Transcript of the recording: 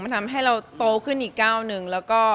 มันทำให้เราโตขึ้นอีกก้าวหนึ่ง